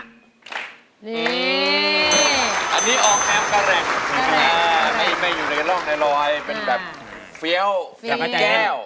นี่อันนี้ออกแอลกก็แรงไม่อยู่ในร่องในรอยเป็นแบบเฟียวแก้ว